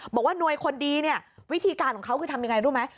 บอกว่าหน่วยคนดีเนี่ยวิธีการของเขาคือทำยังไงรู้ไหม